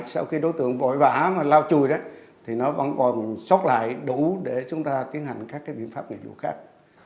sau khi đối tượng vội vã mà lao chùi thì nó vẫn còn sót lại đủ để chúng ta tiến hành các biện pháp nghiệp dụng khác